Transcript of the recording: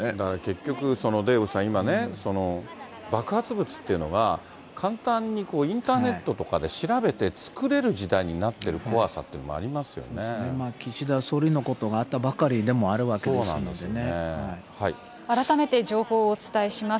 結局、デーブさん、今ね、爆発物っていうのは、簡単にインターネットとかで調べて作れる時代になってる怖さいう岸田総理のことがあったばか改めて情報をお伝えします。